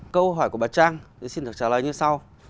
câu hỏi của bà trang tôi xin thật trả lời như sau